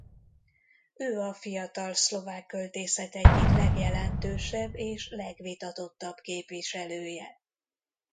Ő a fiatal szlovák költészet egyik legjelentősebb és legvitatottabb képviselője.